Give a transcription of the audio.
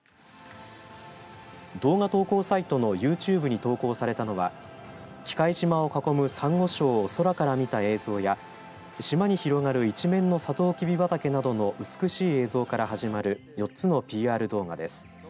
動画投稿サイトのユーチューブに投稿されたのは喜界島を囲むサンゴ礁を空から見た映像や島に広がる一面のさとうきび畑などの美しい映像から始まる４つのＰＲ動画です。